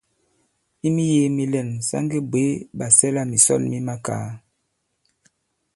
I miyēē mi lɛ̂n, sa ŋge bwě ɓàsɛlamìsɔn mi makaa.